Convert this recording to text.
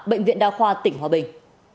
bệnh viện đa khoa tỉnh hòa bình